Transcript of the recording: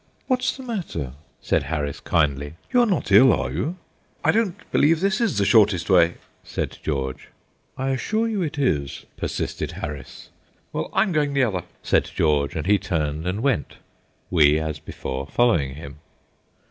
"What's the matter?" said Harris, kindly. "You are not ill, are you?" "I don't believe this is the shortest way," said George. "I assure you it is," persisted Harris. "Well, I'm going the other," said George; and he turned and went, we, as before, following him.